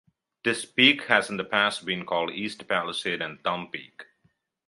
This peak has in the past been called "East Palisade" and "Thumb Peak".